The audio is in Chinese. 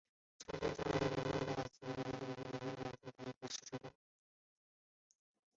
朝鲜景宗的陵墓懿陵位于本区的石串洞。